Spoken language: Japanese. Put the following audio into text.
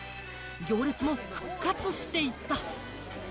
行列も復活していた。